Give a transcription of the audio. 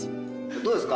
どうですか？